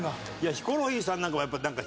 ヒコロヒーさんなんかもやっぱりなんか。